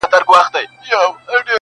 ما خو ویلي وه درځم ته به مي لاره څارې -